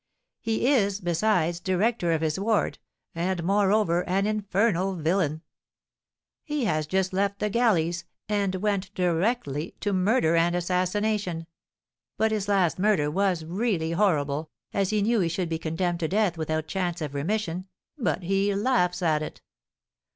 He is, besides, director of his ward, and, moreover, an infernal villain. He has just left the galleys, and went directly to murder and assassination. But his last murder was really horrible, as he knew he should be condemned to death without chance of remission; but he laughs at it."